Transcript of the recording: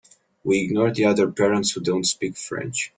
We ignore the other parents who don’t speak French.